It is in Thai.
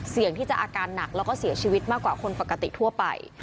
เสี่ยงที่จะอาการหนักแล้วก็เสียชีวิตมากกว่าคนปกติทั่วไป